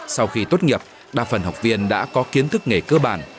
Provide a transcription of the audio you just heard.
sau khi tốt nghiệp đa phần học viên đã có kiến thức nghề cơ bản